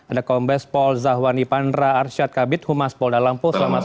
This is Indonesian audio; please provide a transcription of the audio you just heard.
ada kombes paul zahwani pandra arsyad kabit humas paul dallang po selamat sore